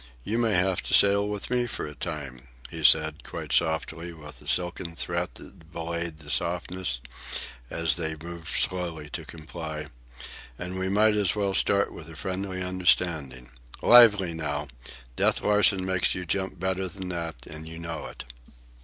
you may have to sail with me for a time," he said, quite softly, with a silken threat that belied the softness, as they moved slowly to comply, "and we might as well start with a friendly understanding. Lively now! Death Larsen makes you jump better than that, and you know it!"